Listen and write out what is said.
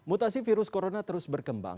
mutasi virus corona terus berkembang